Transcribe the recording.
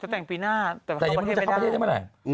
แต่งปีหน้าแต่ยังไม่รู้จะเข้าประเทศได้เมื่อไหร่